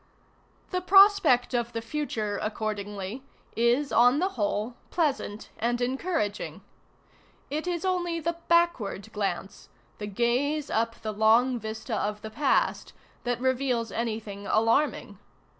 The prospect of the future, accordingly, is on the whole pleasant and encouraging. It is only the backward glance, the gaze up the long vista of the past, that reveals anything alarming.